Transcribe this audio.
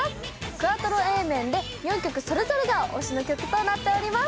クワトロＡ面で４曲それぞれが推しの曲となっています。